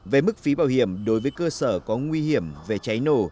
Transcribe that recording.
về mức phí bảo hiểm đối với cơ sở có nguy hiểm về cháy nổ